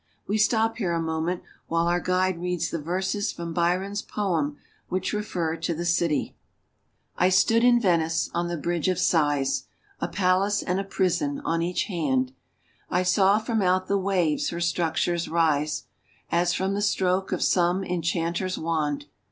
We stop here a moment while 400 ITALY. our guide reads the verses from Byron's poem which refer to the city :—" I stood in Venice, on the Bridge of Sighs, A palace and a prison on each hand ; I saw from out the waves her structures rise As from the stroke of some enchanter's wand.